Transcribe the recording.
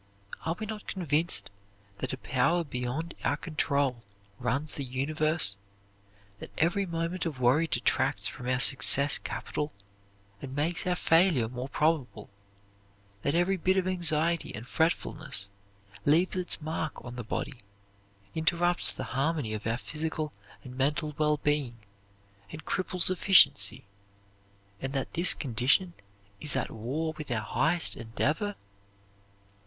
Are we not convinced that a power beyond our control runs the universe, that every moment of worry detracts from our success capital and makes our failure more probable; that every bit of anxiety and fretfulness leaves its mark on the body, interrupts the harmony of our physical and mental well being, and cripples efficiency, and that this condition is at war with our highest endeavor?